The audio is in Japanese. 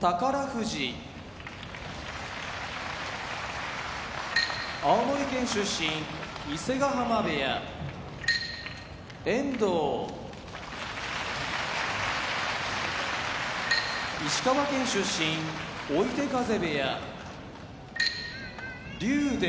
富士青森県出身伊勢ヶ濱部屋遠藤石川県出身追手風部屋竜電